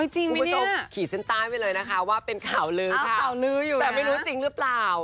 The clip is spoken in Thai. จริงไหมนี่กูมาโชว์ขีดเซ็นต้านไปเลยนะคะว่าเป็นข่าวลื้อค่ะแต่ไม่รู้จริงหรือเปล่า